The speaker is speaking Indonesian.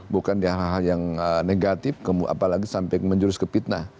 bukan di hal hal yang negatif apalagi sampai menjurus kepitnah